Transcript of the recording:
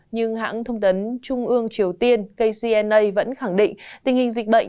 nhưng hãng thông tấn trung ương triều tiên kcna vẫn khẳng định tình hình dịch bệnh